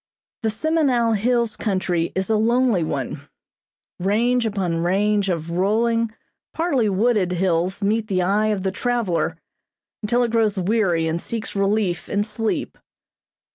The Semenow Hills country is a lonely one. Range upon range of rolling, partly wooded, hills meet the eye of the traveler until it grows weary and seeks relief in sleep.